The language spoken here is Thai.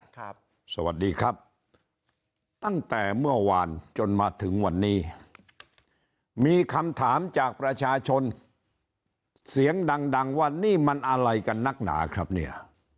สวัสดีครับตั้งแต่เมื่อวานจนมาถึงวันนี้มีคำถามจากประชาชนเสียงดังดังว่านี่มันอะไรกันนักหนาครับเนี่ย